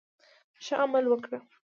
ښه عمل وکړه.